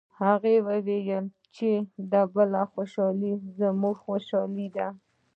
هغه وایي چې د بل خوشحالي زموږ خوشحالي ده